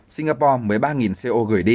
singapore một mươi ba co gửi đi